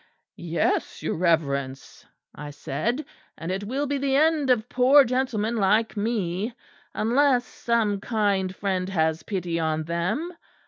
"'Yes, your Reverence,' I said, 'and it will be the end of poor gentlemen like me, unless some kind friend has pity on them.